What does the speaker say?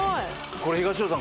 これ東尾さん